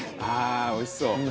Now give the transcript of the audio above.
ああーおいしそう。